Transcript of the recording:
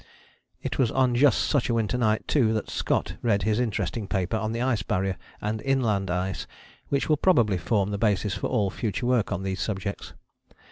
It was on just such a winter night, too, that Scott read his interesting paper on the Ice Barrier and Inland Ice which will probably form the basis for all future work on these subjects.